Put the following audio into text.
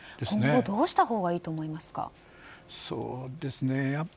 今後、どうしたほうがいいと思いますか？